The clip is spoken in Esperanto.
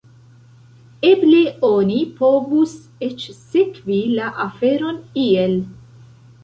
Eble oni povus eĉ sekvi la aferon iel.